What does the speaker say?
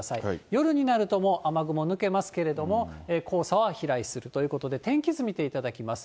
夜になると、もう雨雲抜けますけども、黄砂は飛来するということで、天気図見ていただきます。